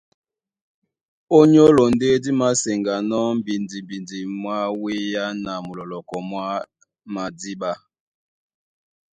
Ó nyólo ndé dí māseŋganɔ́ mbidimbidi mwá wéá na mulɔlɔkɔ mwá madíɓá.